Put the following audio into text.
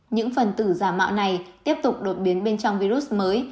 những phần tử giả mạo này tiếp tục đột biến bên trong virus mới